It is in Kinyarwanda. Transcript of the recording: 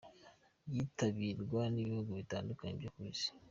Yitabirwa n’ibihugu bitandukanye byo ku isi.